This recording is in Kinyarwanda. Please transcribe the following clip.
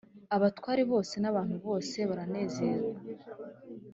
Abatware bose n abantu bose baranezerwa